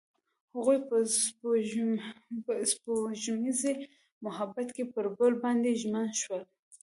هغوی په سپوږمیز محبت کې پر بل باندې ژمن شول.